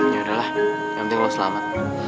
ya udah lah yang penting lo selamat